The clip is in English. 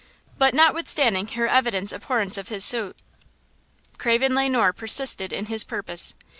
But, notwithstanding her evident abhorrence of his suit, Craven Le Noir persisted in his purpose.